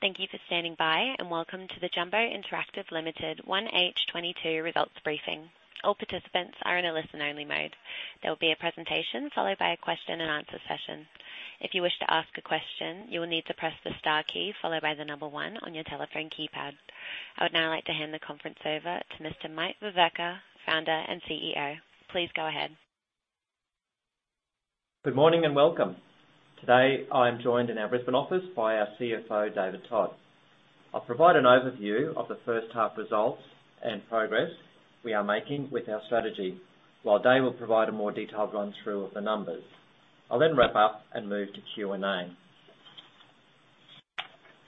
Thank you for standing by, and welcome to the Jumbo Interactive Limited 1H 2022 Results Briefing. All participants are in a listen-only mode. There will be a presentation, followed by a question-and-answer session. If you wish to ask a question, you will need to press the star key, followed by the number one on your telephone keypad. I would now like to hand the conference over to Mr. Mike Veverka, Founder and CEO. Please go ahead. Good morning and welcome. Today, I'm joined in our Brisbane office by our CFO, David Todd. I'll provide an overview of the first half results and progress we are making with our strategy, while Dave will provide a more detailed run-through of the numbers. I'll then wrap up and move to Q&A.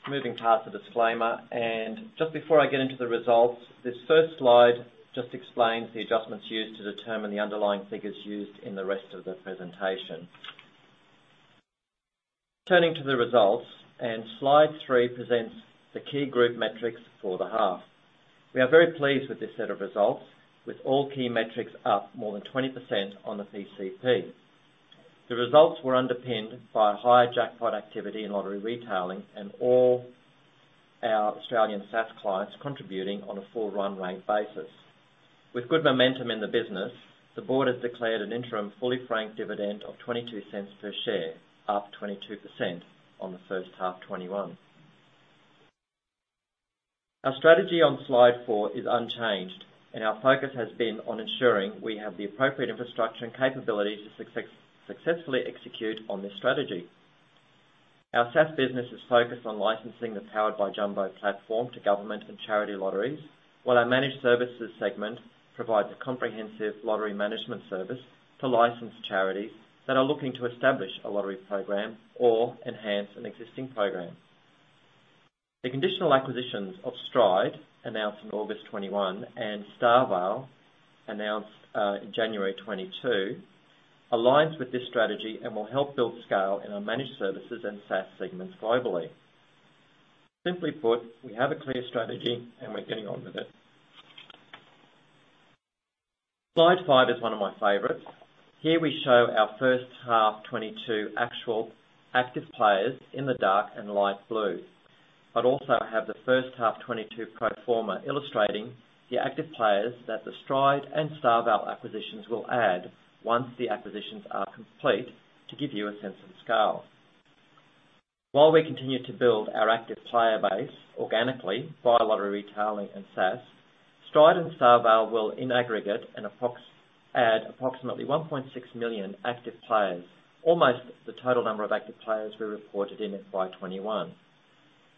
Moving past the disclaimer, and just before I get into the results, this first slide just explains the adjustments used to determine the underlying figures used in the rest of the presentation. Turning to the results, and slide three presents the key group metrics for the half. We are very pleased with this set of results, with all key metrics up more than 20% on the PCP. The results were underpinned by higher jackpot activity in Lottery Retailing and all our Australian SaaS clients contributing on a full run rate basis. With good momentum in the business, the board has declared an interim fully franked dividend of 0.22 per share, up 22% on the first half 2021. Our strategy on slide four is unchanged, and our focus has been on ensuring we have the appropriate infrastructure and capability to successfully execute on this strategy. Our SaaS business is focused on licensing the Powered by Jumbo platform to government and charity lotteries, while our Managed Services segment provides a comprehensive lottery management service to licensed charities that are looking to establish a lottery program or enhance an existing program. The conditional acquisitions of Stride, announced in August 2021, and StarVale, announced in January 2022, aligns with this strategy and will help build scale in our Managed Services and SaaS segments globally. Simply put, we have a clear strategy, and we're getting on with it. Slide five is one of my favorites. Here, we show our first half 2022 actual active players in the dark and light blue, but also have the first half 2022 pro forma illustrating the active players that the Stride and StarVale acquisitions will add once the acquisitions are complete to give you a sense of scale. While we continue to build our active player base organically via Lottery Retailing and SaaS, Stride and StarVale will, in aggregate, add approximately 1.6 million active players, almost the total number of active players we reported in FY 2021.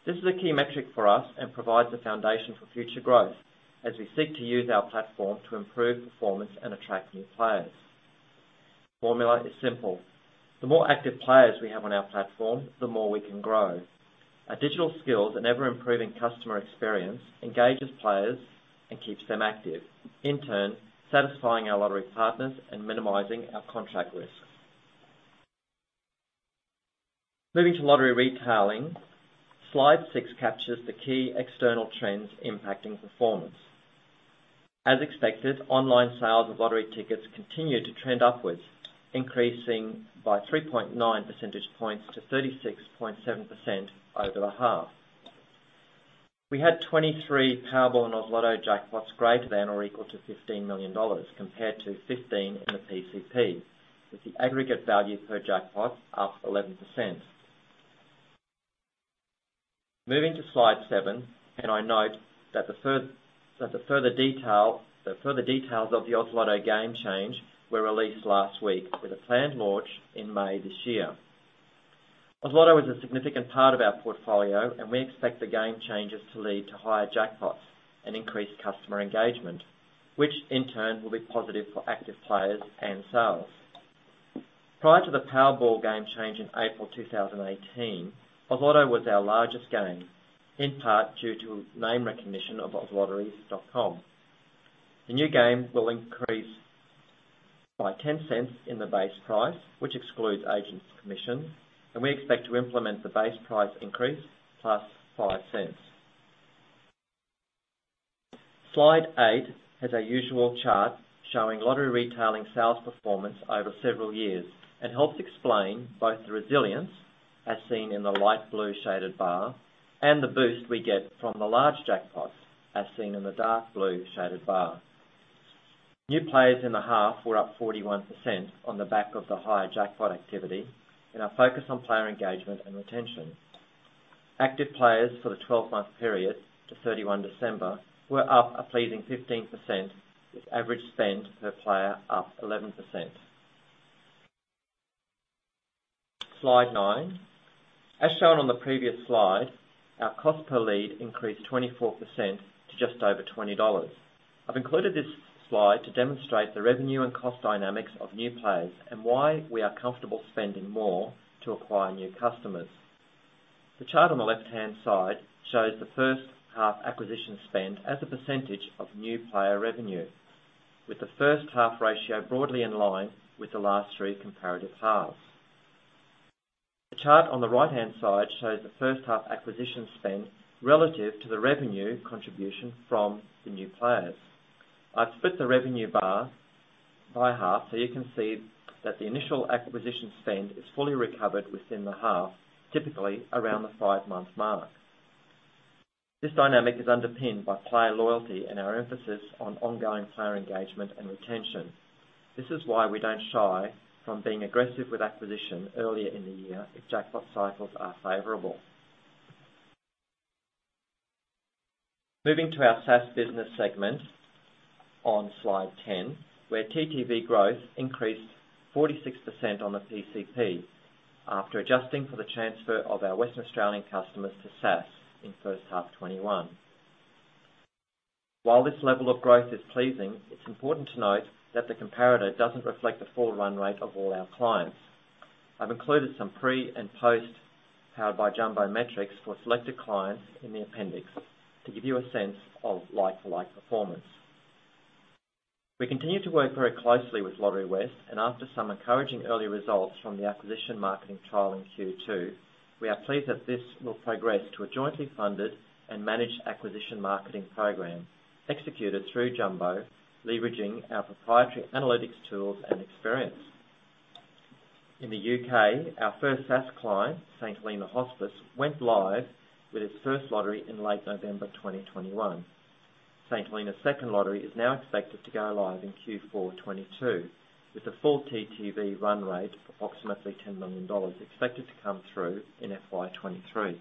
This is a key metric for us and provides a foundation for future growth as we seek to use our platform to improve performance and attract new players. Formula is simple. The more active players we have on our platform, the more we can grow. Our digital skills and ever-improving customer experience engages players and keeps them active, in turn, satisfying our lottery partners and minimizing our contract risks. Moving to Lottery Retailing, slide six captures the key external trends impacting performance. As expected, online sales of lottery tickets continued to trend upwards, increasing by 3.9 percentage points to 36.7% over the half. We had 23 Powerball and Oz Lotto jackpots greater than or equal to 15 million dollars compared to 15 in the PCP, with the aggregate value per jackpot up 11%. Moving to slide seven, can I note that the further details of the Oz Lotto game change were released last week with a planned launch in May this year. Oz Lotto is a significant part of our portfolio, and we expect the game changes to lead to higher jackpots and increased customer engagement, which in turn will be positive for active players and sales. Prior to the Powerball game change in April 2018, Oz Lotto was our largest game, in part due to name recognition of ozlotteries.com. The new game will increase by 0.10 in the base price, which excludes agent's commission, and we expect to implement the base price increase plus 0.05. Slide eight has our usual chart showing Lottery Retailing sales performance over several years and helps explain both the resilience, as seen in the light blue shaded bar, and the boost we get from the large jackpots, as seen in the dark blue shaded bar. New players in the half were up 41% on the back of the higher jackpot activity and our focus on player engagement and retention. Active players for the 12-month period to 31 December were up a pleasing 15%, with average spend per player up 11%. Slide nine. As shown on the previous slide, our cost per lead increased 24% to just over 20 dollars. I've included this slide to demonstrate the revenue and cost dynamics of new players and why we are comfortable spending more to acquire new customers. The chart on the left-hand side shows the first half acquisition spend as a percentage of new player revenue, with the first half ratio broadly in line with the last three comparative halves. The chart on the right-hand side shows the first half acquisition spend relative to the revenue contribution from the new players. I've split the revenue bar by half, so you can see that the initial acquisition spend is fully recovered within the half, typically around the five-month mark. This dynamic is underpinned by player loyalty and our emphasis on ongoing player engagement and retention. This is why we don't shy from being aggressive with acquisition earlier in the year if jackpot cycles are favorable. Moving to our SaaS business segment on slide 10, where TTV growth increased 46% on the PCP after adjusting for the transfer of our Western Australian customers to SaaS in first half 2021. While this level of growth is pleasing, it's important to note that the comparator doesn't reflect the full run rate of all our clients. I've included some pre and post Powered by Jumbo metrics for selected clients in the appendix to give you a sense of like-for-like performance. We continue to work very closely with Lotterywest, and after some encouraging early results from the acquisition marketing trial in Q2, we are pleased that this will progress to a jointly funded and managed acquisition marketing program executed through Jumbo, leveraging our proprietary analytics tools and experience. In the U.K., our first SaaS client, St Helena Hospice, went live with its first lottery in late November 2021. St Helena's second lottery is now expected to go live in Q4 2022, with a full TTV run rate of approximately 10 million dollars expected to come through in FY 2023.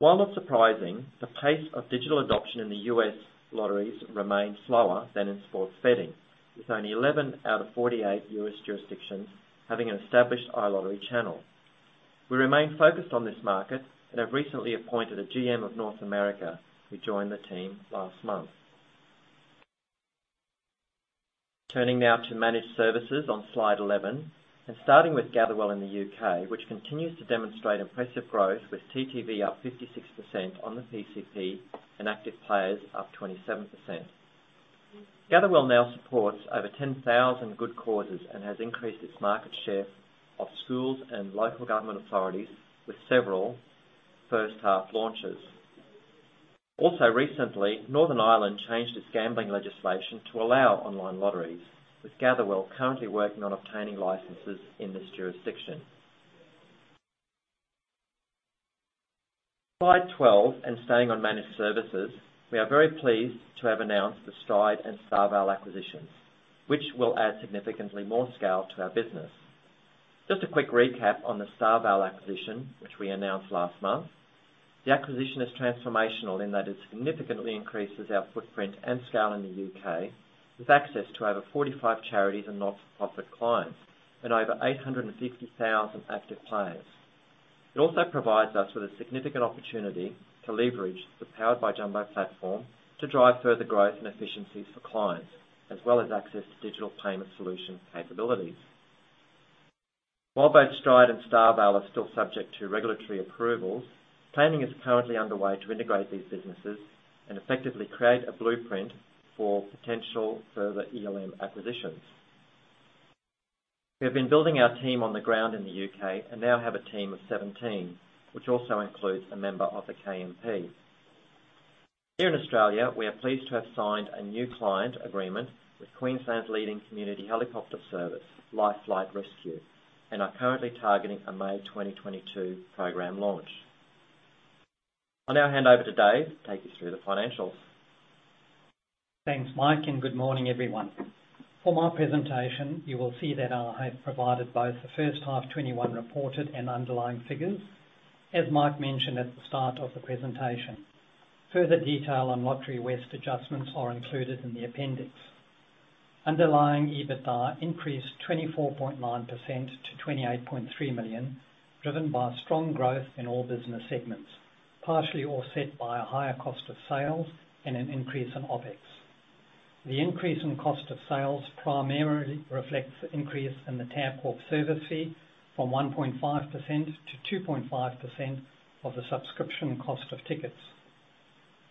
While not surprising, the pace of digital adoption in the U.S. lotteries remains slower than in sports betting, with only 11 out of 48 U.S. jurisdictions having an established iLottery channel. We remain focused on this market and have recently appointed a GM of North America who joined the team last month. Turning now to Managed Services on slide 11, and starting with Gatherwell in the U.K., which continues to demonstrate impressive growth with TTV up 56% on the PCP and active players up 27%. Gatherwell now supports over 10,000 good causes and has increased its market share of schools and local government authorities with several first-half launches. Also recently, Northern Ireland changed its gambling legislation to allow online lotteries, with Gatherwell currently working on obtaining licenses in this jurisdiction. Slide 12, staying on Managed Services, we are very pleased to have announced the Stride and StarVale acquisitions, which will add significantly more scale to our business. Just a quick recap on the StarVale acquisition, which we announced last month. The acquisition is transformational in that it significantly increases our footprint and scale in the U.K., with access to over 45 charities and not-for-profit clients, and over 850,000 active players. It also provides us with a significant opportunity to leverage the Powered by Jumbo platform to drive further growth and efficiencies for clients, as well as access to digital payment solutions capabilities. While both Stride and StarVale are still subject to regulatory approvals, planning is currently underway to integrate these businesses and effectively create a blueprint for potential further ELM acquisitions. We have been building our team on the ground in the U.K. and now have a team of 17, which also includes a member of the KMP. Here in Australia, we are pleased to have signed a new client agreement with Queensland's leading community helicopter service, LifeFlight Rescue, and are currently targeting a May 2022 program launch. I'll now hand over to Dave to take you through the financials. Thanks, Mike, and good morning, everyone. For my presentation, you will see that I have provided both the 1H 2021 reported and underlying figures, as Mike mentioned at the start of the presentation. Further detail on Lotterywest adjustments are included in the appendix. Underlying EBITDA increased 24.9% to 28.3 million, driven by strong growth in all business segments, partially offset by a higher cost of sales and an increase in OpEx. The increase in cost of sales primarily reflects the increase in the Tabcorp service fee from 1.5% to 2.5% of the subscription cost of tickets.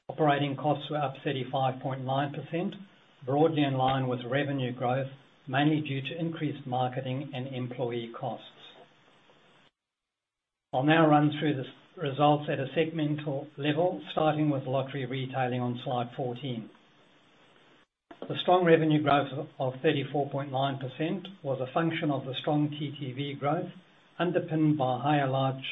Operating costs were up 35.9%, broadly in line with revenue growth, mainly due to increased marketing and employee costs. I'll now run through the results at a segmental level, starting with Lottery Retailing on slide 14. The strong revenue growth of 34.9% was a function of the strong TTV growth, underpinned by higher large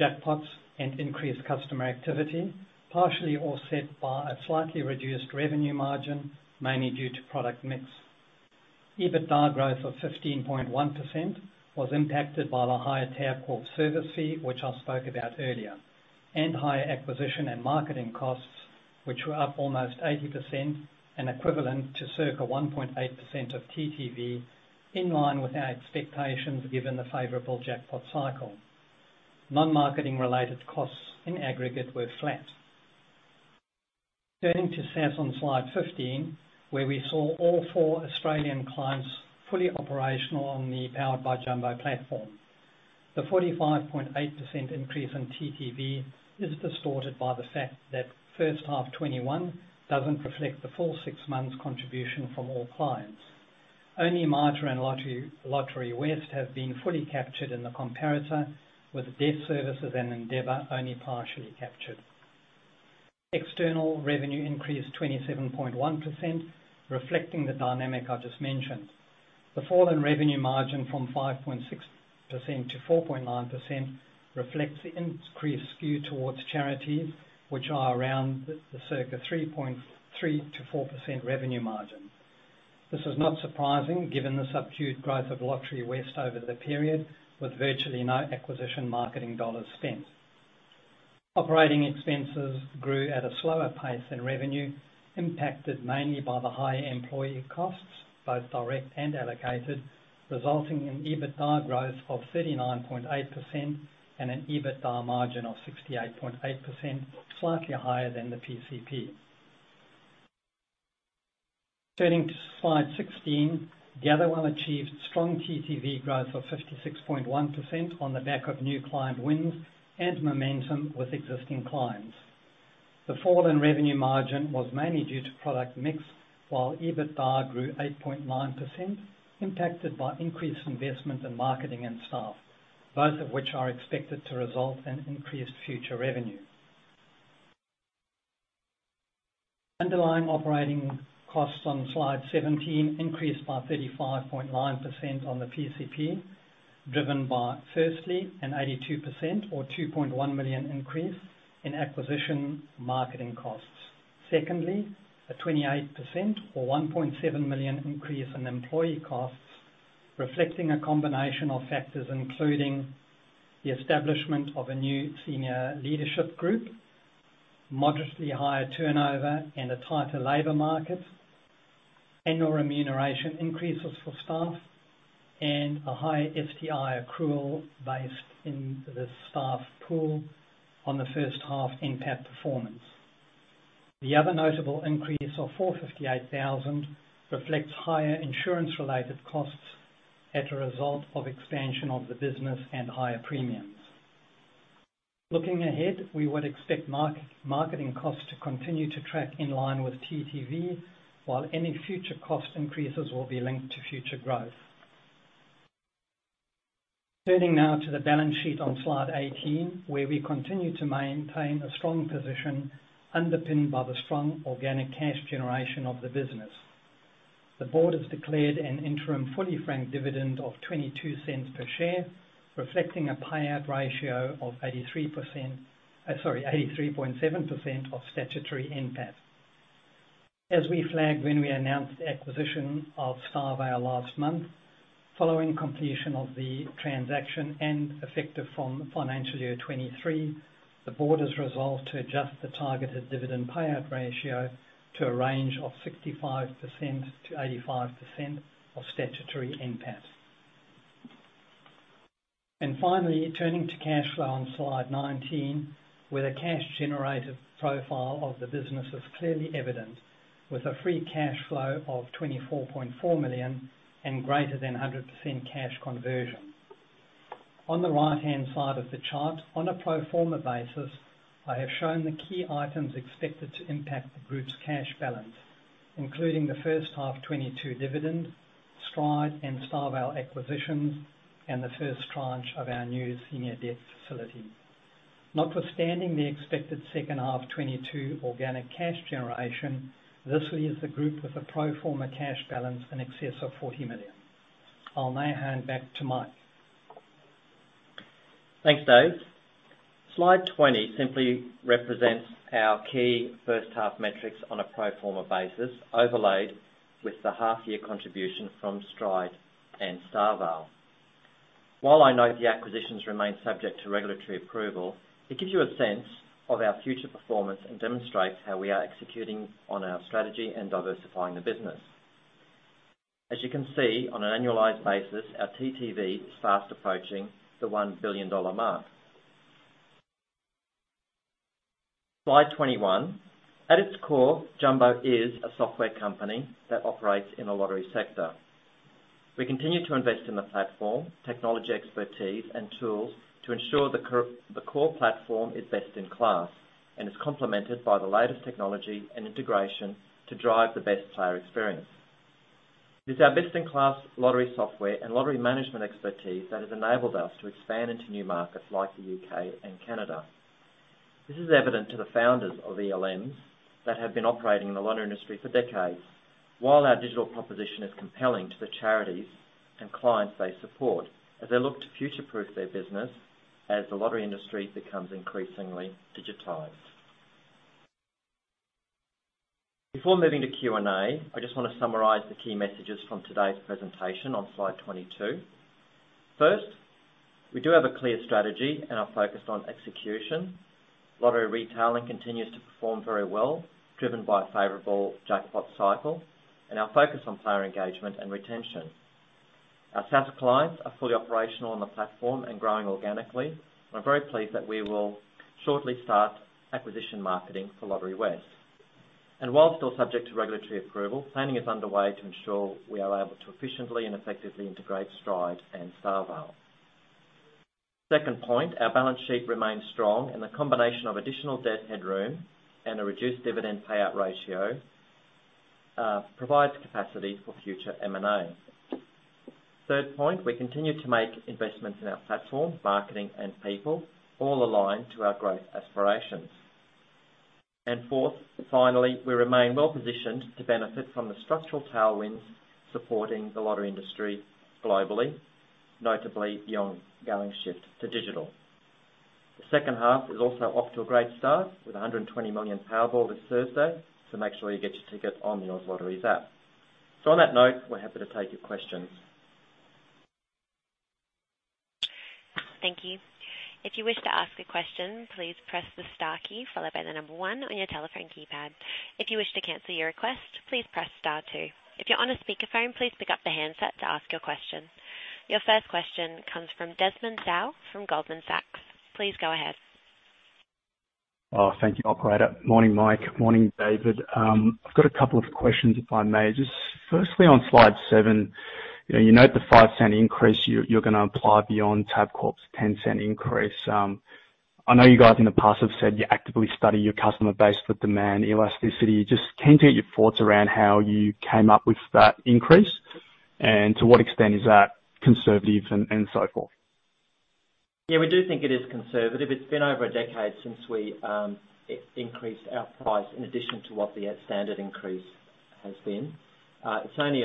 jackpots and increased customer activity, partially offset by a slightly reduced revenue margin, mainly due to product mix. EBITDA growth of 15.1% was impacted by the higher Tabcorp service fee, which I spoke about earlier, and higher acquisition and marketing costs, which were up almost 80% and equivalent to circa 1.8% of TTV, in line with our expectations, given the favorable jackpot cycle. Non-marketing related costs in aggregate were flat. Turning to SaaS on slide 15, where we saw all four Australian clients fully operational on the Powered by Jumbo platform. The 45.8% increase in TTV is distorted by the fact that 1H 2021 doesn't reflect the full six months contribution from all clients. Only Mater and Lotterywest have been fully captured in the comparator, with Deaf Services and Endeavour only partially captured. External revenue increased 27.1%, reflecting the dynamic I just mentioned. The fall in revenue margin from 5.6% to 4.9% reflects the increased skew towards charities, which are around the circa 3.3%-4% revenue margin. This is not surprising given the subdued growth of Lotterywest over the period, with virtually no acquisition marketing dollars spent. Operating expenses grew at a slower pace than revenue, impacted mainly by the higher employee costs, both direct and allocated, resulting in EBITDA growth of 39.8% and an EBITDA margin of 68.8%, slightly higher than the PCP. Turning to slide 16, the other one achieved strong TTV growth of 56.1% on the back of new client wins and momentum with existing clients. The fall in revenue margin was mainly due to product mix, while EBITDA grew 8.9% impacted by increased investment in marketing and staff, both of which are expected to result in increased future revenue. Underlying operating costs on slide 17 increased by 35.9% on the PCP, driven by, firstly, an 82% or 2.1 million increase in acquisition marketing costs. A 28% or 1.7 million increase in employee costs, reflecting a combination of factors, including the establishment of a new senior leadership group, modestly higher turnover and a tighter labor market, annual remuneration increases for staff, and a high STI accrual based on the staff pool on the first half NPAT performance. The other notable increase of 458,000 reflects higher insurance-related costs as a result of expansion of the business and higher premiums. Looking ahead, we would expect marketing costs to continue to track in line with TTV, while any future cost increases will be linked to future growth. Turning now to the balance sheet on slide 18, where we continue to maintain a strong position underpinned by the strong organic cash generation of the business. The board has declared an interim fully frank dividend of 0.22 per share, reflecting a payout ratio of 83.7% of statutory NPAT. As we flagged when we announced the acquisition of StarVale last month, following completion of the transaction and effective from FY 2023, the board has resolved to adjust the targeted dividend payout ratio to a range of 65%-85% of statutory NPAT. Turning to cash flow on slide 19, where the cash generated profile of the business is clearly evident with a free cash flow of 24.4 million and greater than 100% cash conversion. On the right-hand side of the chart, on a pro forma basis, I have shown the key items expected to impact the group's cash balance, including the 1H 2022 dividend, Stride and StarVale acquisitions, and the first tranche of our new senior debt facility. Notwithstanding the expected 2H 2022 organic cash generation, this leaves the group with a pro forma cash balance in excess of 40 million. I'll now hand back to Mike. Thanks, Dave. Slide 20 simply represents our key first half metrics on a pro forma basis, overlaid with the half year contribution from Stride and StarVale. While I know the acquisitions remain subject to regulatory approval, it gives you a sense of our future performance and demonstrates how we are executing on our strategy and diversifying the business. As you can see, on an annualized basis, our TTV is fast approaching the 1 billion dollar mark. Slide 21. At its core, Jumbo is a software company that operates in the lottery sector. We continue to invest in the platform, technology expertise, and tools to ensure the core platform is best in class and is complemented by the latest technology and integration to drive the best player experience. It's our best in class lottery software and lottery management expertise that has enabled us to expand into new markets like the U.K. and Canada. This is evident to the founders of ELMs that have been operating in the lottery industry for decades, while our digital proposition is compelling to the charities and clients they support, as they look to future-proof their business as the lottery industry becomes increasingly digitized. Before moving to Q&A, I just wanna summarize the key messages from today's presentation on slide 22. First, we do have a clear strategy and are focused on execution. Lottery Retailing continues to perform very well, driven by a favorable jackpot cycle and our focus on player engagement and retention. Our SaaS clients are fully operational on the platform and growing organically. We're very pleased that we will shortly start acquisition marketing for Lotterywest. While still subject to regulatory approval, planning is underway to ensure we are able to efficiently and effectively integrate Stride and StarVale. Second point, our balance sheet remains strong and the combination of additional debt headroom and a reduced dividend payout ratio provides capacity for future M&A. Third point, we continue to make investments in our platform, marketing and people, all aligned to our growth aspirations. Fourth, finally, we remain well-positioned to benefit from the structural tailwinds supporting the lottery industry globally, notably the ongoing shift to digital. The second half is also off to a great start with 120 million Powerball this Thursday. Make sure you get your ticket on the Oz Lotteries app. On that note, we're happy to take your questions. Thank you. If you wish to ask a question please press the star key followed by the number one on your telephone keypad. If you wish to cancel your request please press star two. If you're on a speaker phone, please pick up the handset to ask a question. Your first question comes from Desmond Tsao from Goldman Sachs. Please go ahead. Thank you, operator. Morning, Mike. Morning, David. I've got a couple of questions, if I may. Just firstly, on slide seven, you know, you note the 0.05 increase you're gonna apply beyond Tabcorp's 0.10 increase. I know you guys in the past have said you actively study your customer base for demand elasticity. Just keen to get your thoughts around how you came up with that increase, and to what extent is that conservative and so forth? Yeah, we do think it is conservative. It's been over a decade since we increased our price in addition to what the standard increase has been. It's only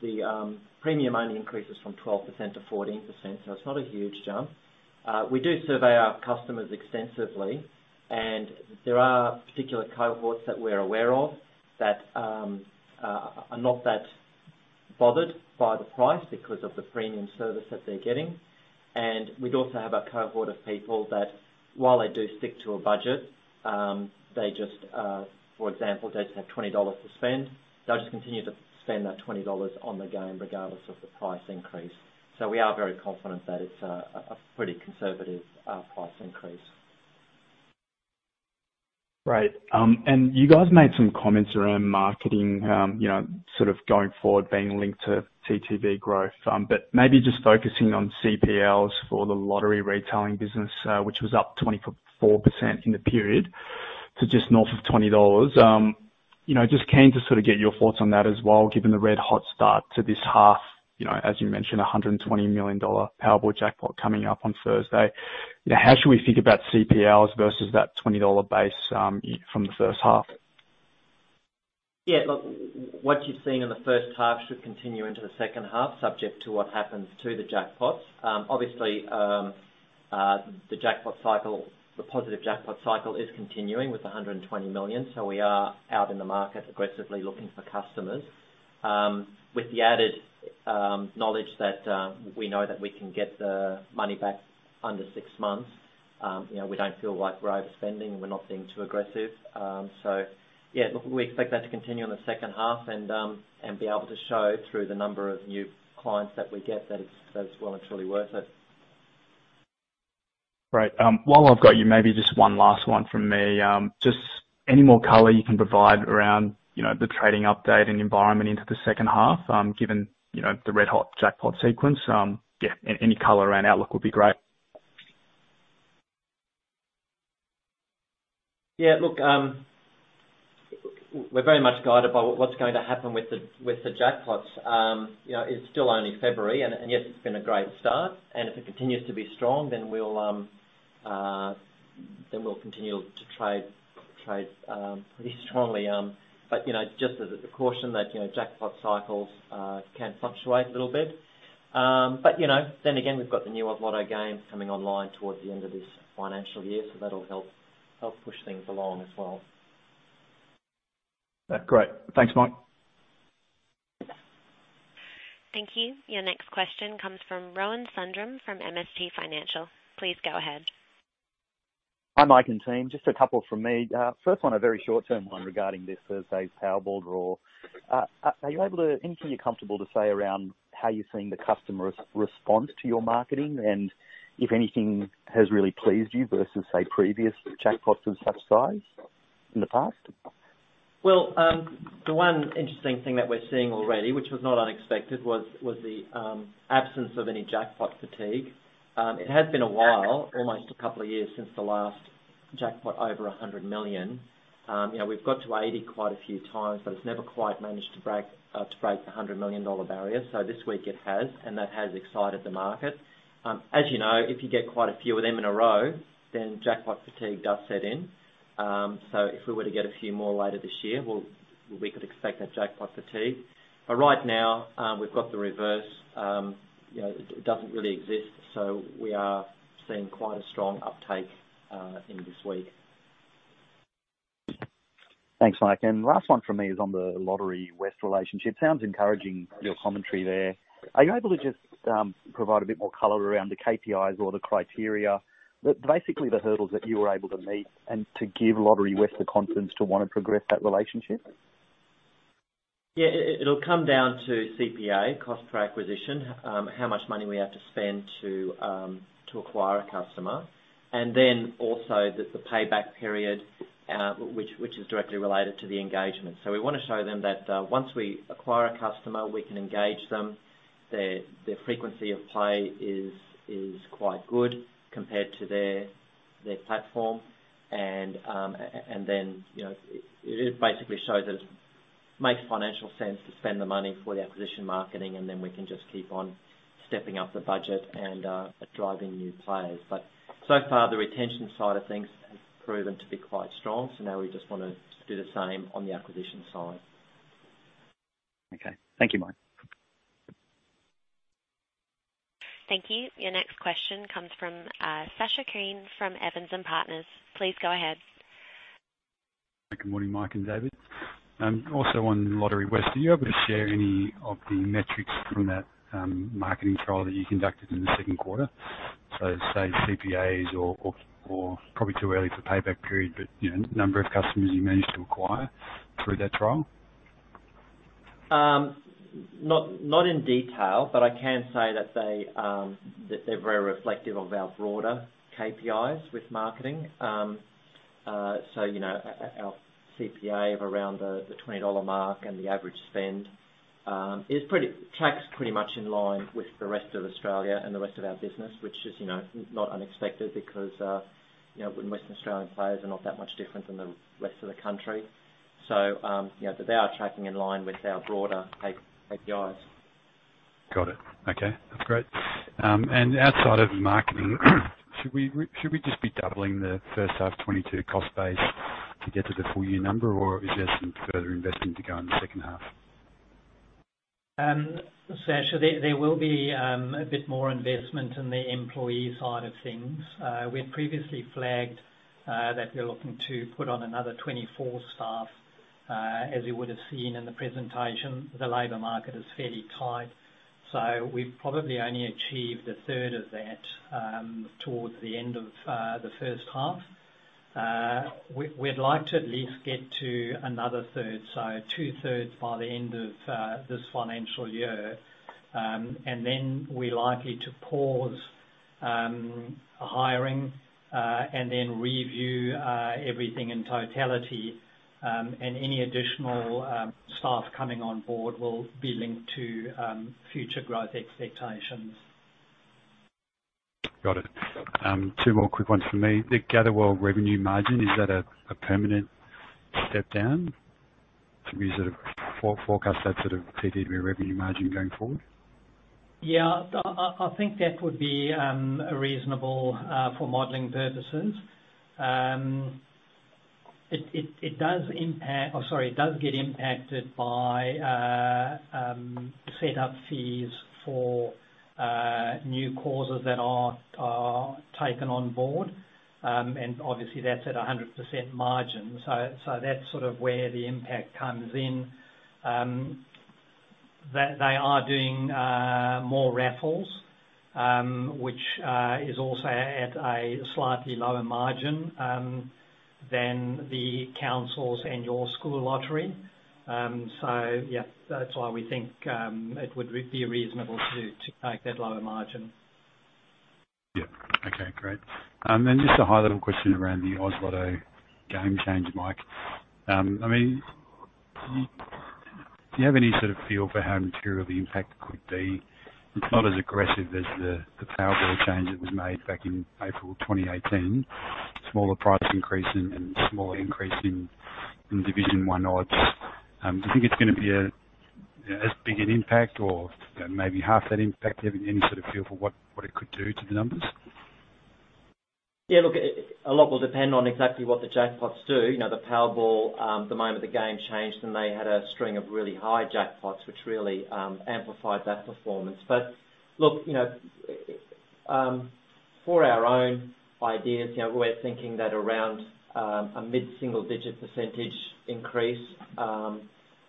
the premium increases from 12% to 14%, so it's not a huge jump. We do survey our customers extensively, and there are particular cohorts that we're aware of that are not that bothered by the price because of the premium service that they're getting. We'd also have a cohort of people that while they do stick to a budget, they just for example they just have 20 dollars to spend. They'll just continue to spend that 20 dollars on the game regardless of the price increase. We are very confident that it's a pretty conservative price increase. Great. You guys made some comments around marketing, you know, sort of going forward being linked to TTV growth. Maybe just focusing on CPLs for the Lottery Retailing business, which was up 24% in the period to just north of 20 dollars. You know, just keen to sort of get your thoughts on that as well, given the red-hot start to this half, you know, as you mentioned, an 120 million dollar Powerball jackpot coming up on Thursday. You know, how should we think about CPLs versus that 20 dollar base, from the first half? Yeah, look, what you've seen in the first half should continue into the second half, subject to what happens to the jackpots. Obviously, the jackpot cycle, the positive jackpot cycle is continuing with 120 million. We are out in the market aggressively looking for customers with the added knowledge that we know that we can get the money back under six months. You know, we don't feel like we're overspending and we're not being too aggressive. Yeah, look, we expect that to continue in the second half and be able to show through the number of new clients that we get that it's well and truly worth it. Great. While I've got you, maybe just one last one from me. Just any more color you can provide around, you know, the trading update and environment into the second half, given, you know, the red-hot jackpot sequence. Yeah, any color around outlook would be great. Yeah, look, we're very much guided by what's going to happen with the jackpots. You know, it's still only February and yes, it's been a great start and if it continues to be strong then we'll continue to trade pretty strongly. You know, just as a precaution, you know, jackpot cycles can fluctuate a little bit. You know, then again, we've got the new Oz Lotto game coming online towards the end of this financial year, so that'll help push things along as well. Great. Thanks, Mike. Thank you. Your next question comes from Rohan Sundram from MST Financial. Please go ahead. Hi, Mike and team. Just a couple from me. First one, a very short-term one regarding this Thursday's Powerball draw. Anything you're comfortable to say around how you're seeing the customer's response to your marketing and if anything has really pleased you versus, say, previous jackpots of such size in the past? Well, the one interesting thing that we're seeing already, which was not unexpected, was the absence of any jackpot fatigue. It has been a while, almost a couple of years since the last jackpot over 100 million. You know, we've got to 80 million quite a few times, but it's never quite managed to break the 100 million dollar barrier. This week it has, and that has excited the market. As you know, if you get quite a few of them in a row, then jackpot fatigue does set in. If we were to get a few more later this year, we could expect that jackpot fatigue. Right now, we've got the reverse. You know, it doesn't really exist, so we are seeing quite a strong uptake in this week. Thanks, Mike. Last one from me is on the Lotterywest relationship. Sounds encouraging, your commentary there. Are you able to just provide a bit more color around the KPIs or the criteria that basically the hurdles that you were able to meet and to give Lotterywest the confidence to wanna progress that relationship? Yeah. It'll come down to CPA, cost per acquisition, how much money we have to spend to acquire a customer. Then also the payback period, which is directly related to the engagement. We wanna show them that once we acquire a customer, we can engage them. Their frequency of play is quite good compared to the platform. Then, you know, it basically shows that it makes financial sense to spend the money for the acquisition marketing, and then we can just keep on stepping up the budget and driving new players. So far, the retention side of things has proven to be quite strong, so now we just wanna do the same on the acquisition side. Okay. Thank you, Mike. Thank you. Your next question comes from, Sacha Krien from Evans & Partners. Please go ahead. Good morning, Mike and David. Also on Lotterywest, are you able to share any of the metrics from that marketing trial that you conducted in the second quarter? Say CPAs or probably too early for payback period, but you know, number of customers you managed to acquire through that trial? Not in detail, but I can say that they're very reflective of our broader KPIs with marketing. You know, our CPA of around the 20 dollar mark and the average spend is pretty tracks pretty much in line with the rest of Australia and the rest of our business, which is, you know, not unexpected because, you know, Western Australian players are not that much different than the rest of the country. You know, they are tracking in line with our broader KPIs. Got it. Okay, that's great. Outside of marketing, should we just be doubling the first half 2022 cost base to get to the full year number, or is there some further investment to go in the second half? Sacha, there will be a bit more investment in the employee side of things. We had previously flagged that we're looking to put on another 24 staff. As you would have seen in the presentation, the labor market is fairly tight, so we've probably only achieved a 1/3 of that towards the end of the first half. We'd like to at least get to another third, so 2/3 by the end of this financial year. We're likely to pause hiring and then review everything in totality. Any additional staff coming on board will be linked to future growth expectations. Got it. Two more quick ones from me. The Gatherwell revenue margin, is that a permanent step down? Should we sort of forecast that sort of TTV revenue margin going forward? Yeah. I think that would be reasonable for modeling purposes. Oh, sorry, it does get impacted by set up fees for new causes that are taken on board. Obviously that's at 100% margin. That's sort of where the impact comes in. They are doing more raffles, which is also at a slightly lower margin than the council's annual school lottery. Yeah, that's why we think it would be reasonable to take that lower margin. Yeah. Okay, great. Just a high-level question around the Oz Lotto game change, Mike. I mean, do you have any sort of feel for how material the impact could be? It's not as aggressive as the Powerball change that was made back in April 2018. Smaller price increase and smaller increase in division one odds. Do you think it's gonna be as big an impact or maybe half that impact? Do you have any sort of feel for what it could do to the numbers? Yeah, look, a lot will depend on exactly what the jackpots do. You know, the Powerball, the moment the game changed and they had a string of really high jackpots, which really amplified that performance. Look, you know, for our own ideas, you know, we're thinking that around a mid-single digit percentage increase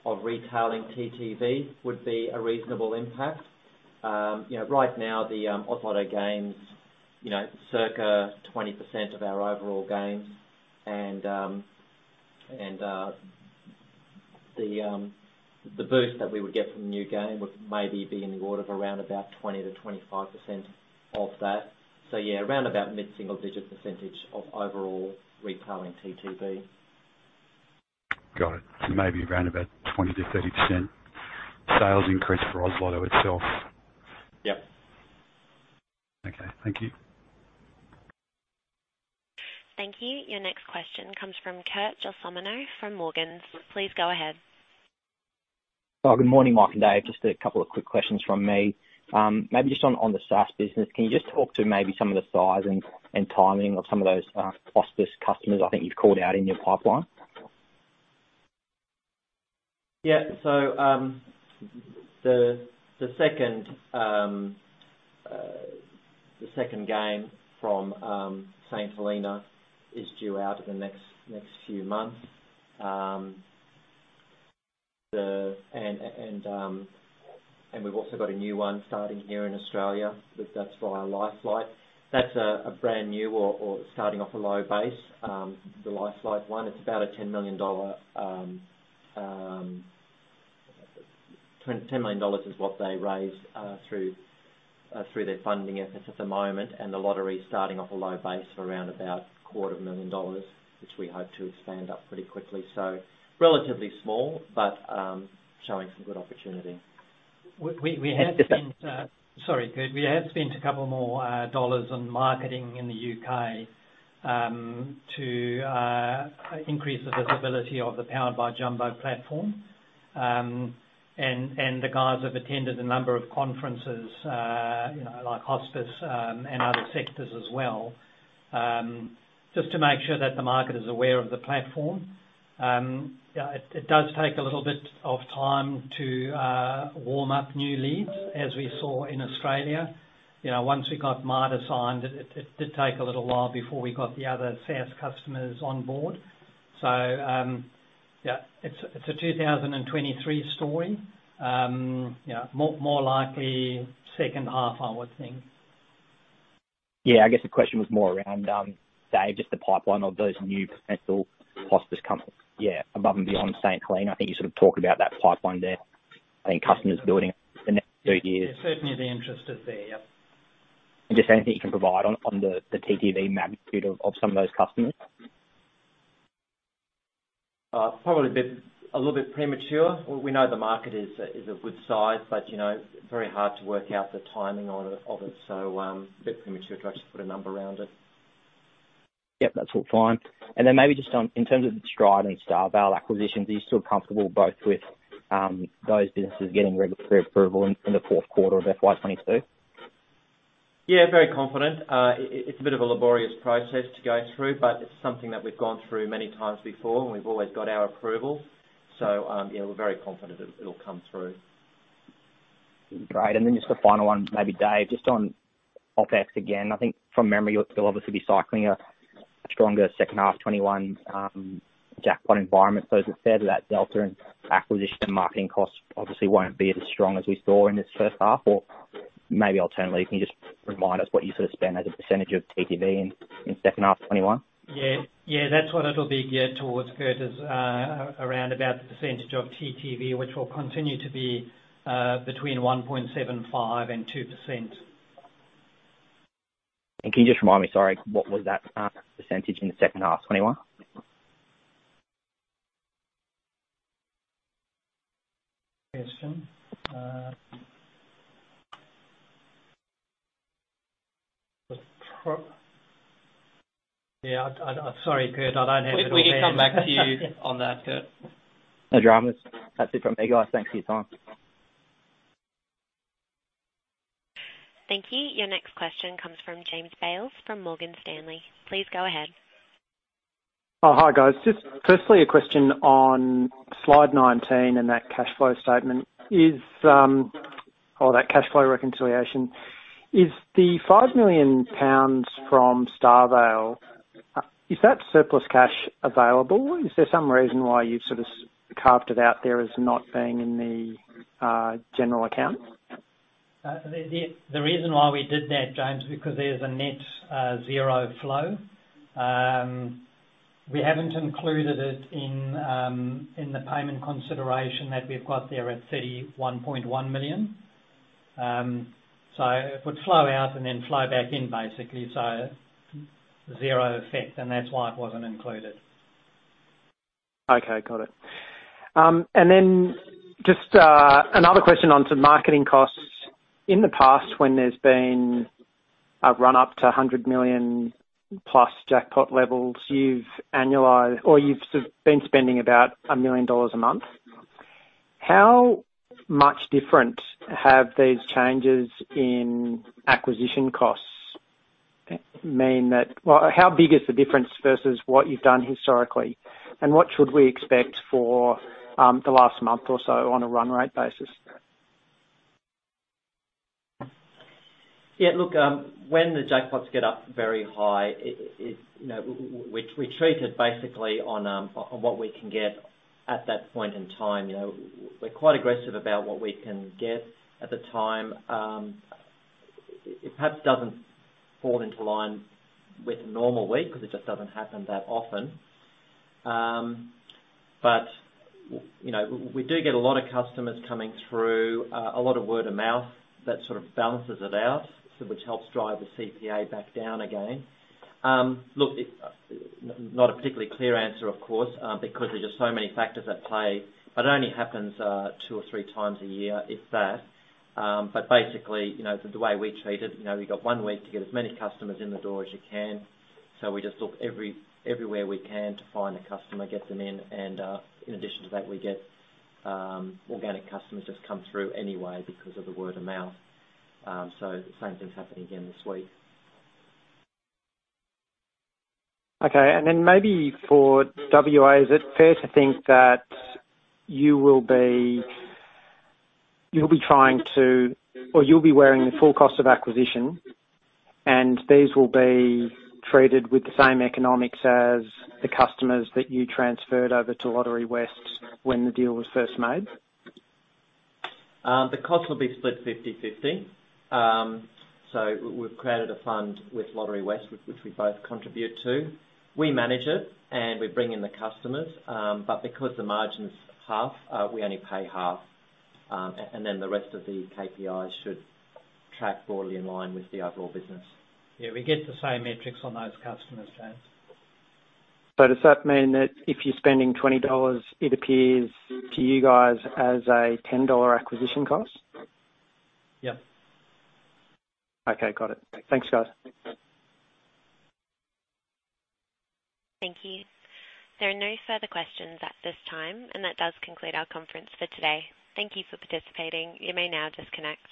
of retailing TTV would be a reasonable impact. You know, right now the Oz Lotto game's you know circa 20% of our overall games and the boost that we would get from the new game would maybe be in the order of around about 20%-25% of that. Yeah, around about mid-single digit percentage of overall retailing TTV. Got it. Maybe around about 20%-30% sales increase for Oz Lotto itself. Yep. Okay. Thank you. Thank you. Your next question comes from Kurt Gelsomino from Morgans. Please go ahead. Oh, good morning, Mike and Dave. Just a couple of quick questions from me. Maybe just on the SaaS business, can you just talk to maybe some of the size and timing of some of those hospice customers I think you've called out in your pipeline? Yeah. The second game from St Helena is due out in the next few months. We've also got a new one starting here in Australia. That's via LifeFlight. That's a brand new or starting off a low base. The LifeFlight one, it's about 10 million dollar. 10 million dollars is what they raised through their funding efforts at the moment. The lottery is starting off a low base around about a 250,000 dollars, which we hope to expand up pretty quickly. Relatively small, but showing some good opportunity. We have spent a couple more dollars on marketing in the U.K. to increase the visibility of the Powered by Jumbo platform. The guys have attended a number of conferences, you know, like hospices, and other sectors as well, just to make sure that the market is aware of the platform. Yeah, it does take a little bit of time to warm up new leads, as we saw in Australia. You know, once we got Mater signed, it did take a little while before we got the other SaaS customers on board. Yeah, it's a 2023 story. Yeah. More likely second half, I would think. Yeah. I guess the question was more around, Dave, just the pipeline of those new potential hospice customers. Yeah. Above and beyond St Helena. I think you sort of talked about that pipeline there and customers building the next two years. Yeah. Certainly the interest is there. Yep. Just anything you can provide on the TTV magnitude of some of those customers? Probably a bit, a little bit premature. We know the market is a good size, but you know, very hard to work out the timing of it. A bit premature to actually put a number around it. Yep. That's all fine. Maybe just on in terms of the Stride and StarVale acquisitions, are you still comfortable both with those businesses getting regulatory approval in the fourth quarter of FY 2022? Yeah, very confident. It's a bit of a laborious process to go through, but it's something that we've gone through many times before, and we've always got our approvals. Yeah, we're very confident it'll come through. Great. Just a final one, maybe Dave, just on OpEx again. I think from memory, you'll obviously be cycling a stronger second half 2021 jackpot environment. Is it fair to that delta and acquisition marketing costs obviously won't be as strong as we saw in this first half? Maybe alternatively, can you just remind us what you sort of spend as a percentage of TTV in second half 2021? Yeah, that's what it'll be geared towards, Kurt, is around about the percentage of TTV, which will continue to be between 1.75% and 2%. Can you just remind me, sorry, what was that percentage in the second half 2021? Good question. I'm sorry, Kurt. I don't have it here. We can come back to you on that, Kurt. No dramas. That's it from me, guys. Thanks for your time. Thank you. Your next question comes from James Bales from Morgan Stanley. Please go ahead. Oh, hi, guys. Just firstly a question on slide 19 and that cash flow statement or cash flow reconciliation. Is the 5 million pounds from StarVale surplus cash available? Is there some reason why you've sort of carved it out there as not being in the general account? The reason why we did that, James, because there's a net zero flow. We haven't included it in the payment consideration that we've got there at 31.1 million. It would flow out and then flow back in basically. Zero effect, and that's why it wasn't included. Okay. Got it. Just another question on some marketing costs. In the past, when there's been a run-up to 100 million plus jackpot levels, you've annualized or you've sort of been spending about 1 million dollars a month. How much different have these changes in acquisition costs mean that. Well, how big is the difference versus what you've done historically? What should we expect for the last month or so on a run rate basis? Yeah, look, when the jackpots get up very high, it, you know, we treat it basically on what we can get at that point in time, you know. We're quite aggressive about what we can get at the time. It perhaps doesn't fall into line with normal week 'cause it just doesn't happen that often. You know, we do get a lot of customers coming through, a lot of word of mouth that sort of balances it out, so which helps drive the CPA back down again. Look, it's not a particularly clear answer, of course, because there's just so many factors at play. It only happens two or three times a year, if that. Basically, you know, the way we treat it, you know, you've got one week to get as many customers in the door as you can. We just look everywhere we can to find a customer, get them in, and in addition to that, we get organic customers just come through anyway because of the word of mouth. The same thing's happening again this week. Okay. Maybe for WA, is it fair to think that you'll be wearing the full cost of acquisition, and these will be treated with the same economics as the customers that you transferred over to Lotterywest when the deal was first made? The cost will be split 50/50. We've created a fund with Lotterywest, which we both contribute to. We manage it, and we bring in the customers. Because the margin's half, we only pay half. Then the rest of the KPIs should track broadly in line with the overall business. Yeah, we get the same metrics on those customers, James. Does that mean that if you're spending 20 dollars, it appears to you guys as a 10 dollar acquisition cost? Yeah. Okay, got it. Thanks, guys. Thank you. There are no further questions at this time, and that does conclude our conference for today. Thank you for participating. You may now disconnect.